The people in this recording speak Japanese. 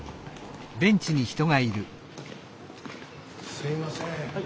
すいません。